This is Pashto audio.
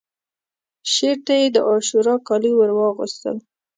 شعر ته یې د عاشورا کالي ورواغوستل